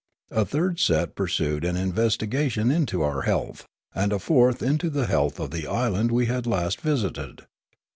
A third set pursued an investi gation into our health ; and a fourth into the health of the island we had last visited.